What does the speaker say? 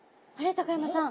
高山さん